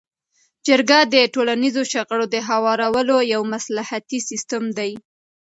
جرګه د ټولنیزو شخړو د هوارولو یو مصلحتي سیستم دی.